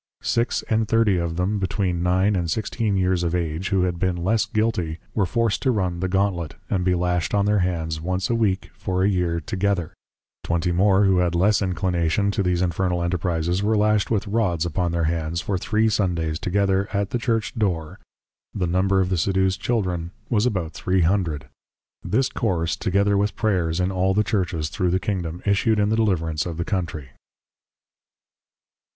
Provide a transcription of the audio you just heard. Six and Thirty of them between nine and sixteen years of Age, who had been less guilty, were forced to run the Gantlet, and be lashed on their hands once a Week, for a year together; twenty more who had less inclination to these Infernal enterprises, were lashed with Rods upon their Hands for three Sundays together, at the Church door; the number of the seduced Children, was about three hundred. This course, together with \Prayers\, in all the Churches thro' the Kingdom, issued in the deliverance of the Country.